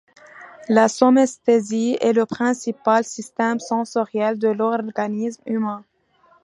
La somesthésie est le principal système sensoriel de l'organisme humain.